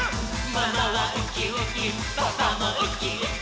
「ママはウキウキ」「パパもウキウキ」